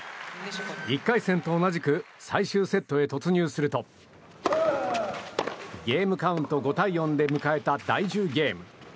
１回戦と同じく最終セットへ突入するとゲームカウント５対４で迎えた第１０ゲーム。